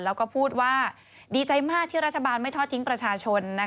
แล้วก็พูดว่าดีใจมากที่รัฐบาลไม่ทอดทิ้งประชาชน